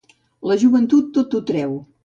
La joventut tot ho treu.